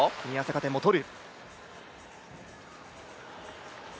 加点も取る。